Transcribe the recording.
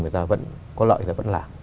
người ta vẫn có lợi thì vẫn làm